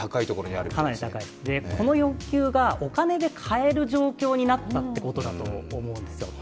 この欲求がお金で買える状況になったということだと思うんですよ。